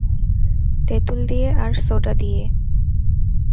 তেঁতুল দিয়ে আর সোডা দিয়ে।